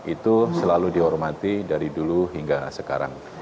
itu selalu dihormati dari dulu hingga sekarang